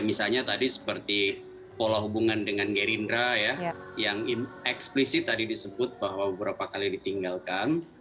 misalnya tadi seperti pola hubungan dengan gerindra ya yang eksplisit tadi disebut bahwa beberapa kali ditinggalkan